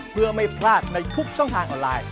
เพื่อไม่พลาดในทุกช่องทางออนไลน์